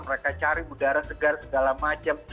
mereka cari udara segar segala macam